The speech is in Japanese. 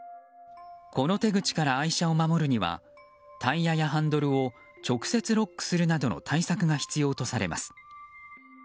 この手口から愛車を守るにはタイヤやハンドルを直接ロックするなどの対策が必要とされます。